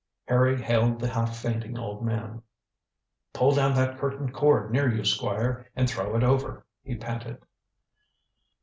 Harry hailed the half fainting old man. "Pull down that curtain cord near you, Squire, and throw it over," he panted.